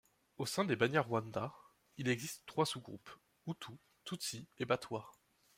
Au sein des Banyarwanda, il existe trois sous-groupes: Hutu, Tutsi et Batwa.